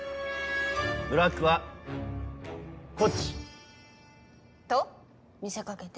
ブラックはこっち。と見せ掛けて？